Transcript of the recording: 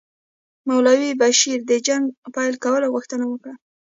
مولوي بشیر د جنګ پیل کولو غوښتنه وکړه.